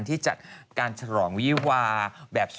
อ๋อที่สมุยเอก